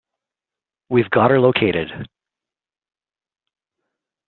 We've got her located.